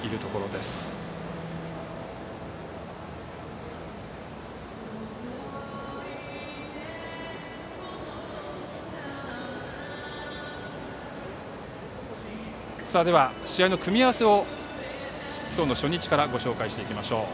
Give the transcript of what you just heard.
では試合の組み合わせを今日の初日からご紹介していきましょう。